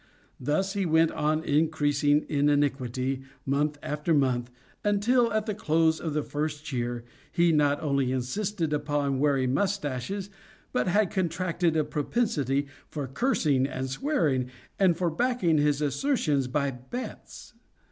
Thus he went on increasing in iniquity, month after month, until, at the close of the first year, he not only insisted upon wearing moustaches, but had contracted a propensity for cursing and swearing, and for backing his assertions by bets.